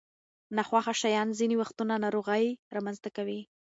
ناخوښه شیان ځینې وختونه ناروغۍ رامنځته کوي.